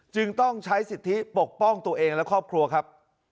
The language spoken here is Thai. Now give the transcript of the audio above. จึงต้องใช้สิทธิปกป้องตัวเองและครอบครัวครับ